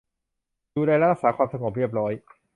ดูแลและรักษาความสงบเรียบร้อย